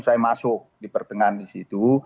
saya masuk di pertengahan di situ